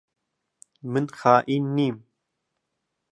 من خائین نیم.